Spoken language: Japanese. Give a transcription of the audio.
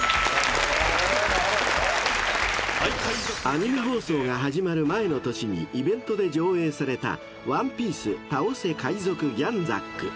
［アニメ放送が始まる前の年にイベントで上映された『ＯＮＥＰＩＥＣＥ倒せ！海賊ギャンザック』］